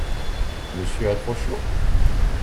Monsieur a trop chaud ?